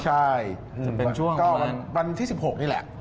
ใช่วันที่๑๖นี่แหละ